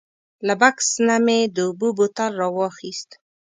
له بکس نه مې د اوبو بوتل راواخیست.